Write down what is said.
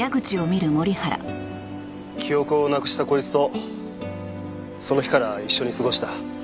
記憶をなくしたこいつとその日から一緒に過ごした。